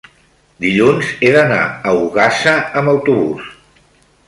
dilluns he d'anar a Ogassa amb autobús.